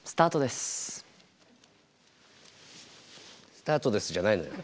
「スタートです」じゃないのよ。